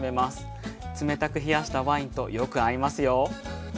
冷たく冷やしたワインとよく合いますよ。